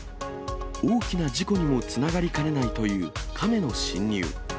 大きな事故にもつながりかねないというカメの侵入。